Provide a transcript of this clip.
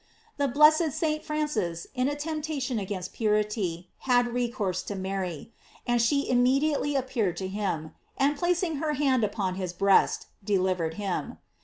The bless ed St. Francis, in a temptation against purity, had recourse toMary, and she immediately appear ed to him, and placing her hand upon his breast, delivered him.